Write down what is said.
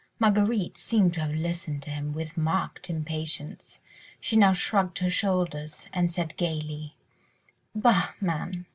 Marguerite seemed to have listened to him with marked impatience; she now shrugged her shoulders and said gaily— "Bah! man.